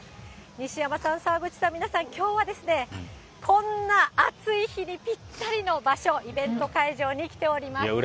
西山さん、澤口さん、皆さん、きょうはですね、こんな暑い日にぴったりの場所、イベント会場に来ておりますよ。